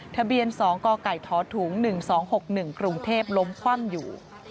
ทะเบียน๒กกทถุง๑๒๖๑กรุงเทพล้มคว่ำอยู่